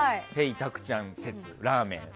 たくちゃん、ラーメン。